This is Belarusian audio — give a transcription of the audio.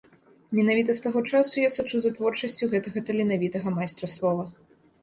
Менавіта з таго часу я сачу за творчасцю гэтага таленавітага майстра слова.